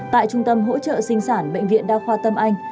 tại trung tâm hỗ trợ sinh sản bệnh viện đa khoa tâm anh